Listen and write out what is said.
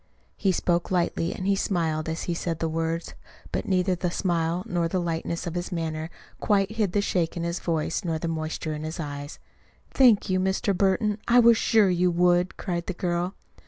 He spoke lightly, and he smiled as he said the words; but neither the smile nor the lightness of his manner quite hid the shake in his voice nor the moisture in his eyes. "Thank you, Mr. Burton. I was sure you would," cried the girl.